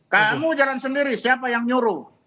kamu jalan sendiri siapa yang nyuruh